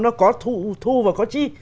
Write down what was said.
nó có thu và có chi